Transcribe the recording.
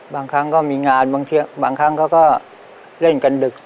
บางครั้งก็มีงานบางเที่ยงบางครั้งก็ก็เล่นกันดึก